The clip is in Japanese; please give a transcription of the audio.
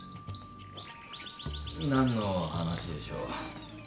何の話でしょう？